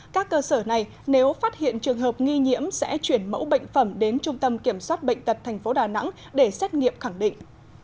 các cơ sở này nếu phát hiện trường hợp nghi nhiễm sẽ chuyển mẫu bệnh phẩm đến trung tâm kiểm soát bệnh tật tp đà nẵng để xét nghiệm khẳng định